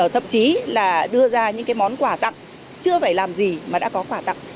thậm chí là đưa ra những cái món quả tặng chưa phải làm gì mà đã có quả tặng